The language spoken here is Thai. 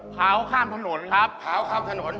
เท้าข้ามถนนครับเท้าข้ามถนน